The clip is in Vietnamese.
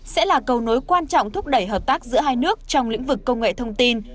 sẽ là cầu nối quan trọng thúc đẩy hợp tác giữa hai nước trong lĩnh vực công nghệ thông tin